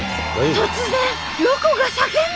突然ロコが叫んだ！